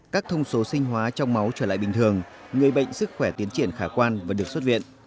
các thông số sinh hóa trong máu trở lại bình thường người bệnh sức khỏe tiến triển khả quan và được xuất viện